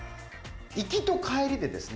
行きと帰りでですね